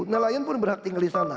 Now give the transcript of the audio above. nelayan pun berhak tinggal di sana